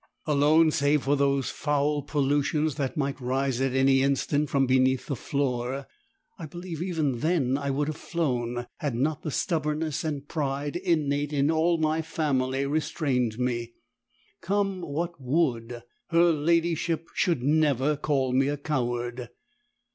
Alone save for those foul pollutions that might rise at any instant from beneath the floor. I believe, even then, I would have flown had not the stubbornness and pride innate in all my family restrained me. Come what would, her ladyship should never call me a coward.